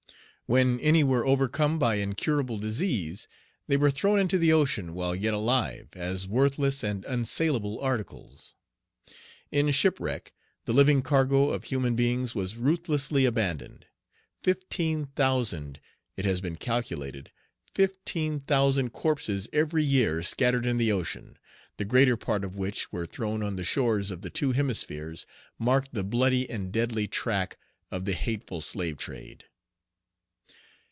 When any were overcome by incurable disease, they were thrown into the ocean while yet alive, as worthless and unsalable articles. In shipwreck, the living cargo of human beings was ruthlessly abandoned. Fifteen thousand, it has been calculated, fifteen thousand corpses every year scattered in the ocean, the greater part of which were thrown on the shores of the two hemispheres, marked the bloody and deadly track of the hateful slave trade.